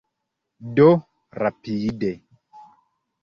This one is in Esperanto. Do, rapide.